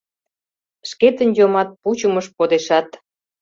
Шкетын йомат пучымыш подешат.